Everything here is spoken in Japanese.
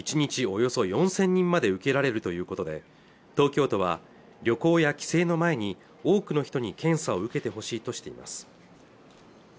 およそ４０００人まで受けられるということで東京都は旅行や帰省の前に多くの人に検査を受けてほしいとしています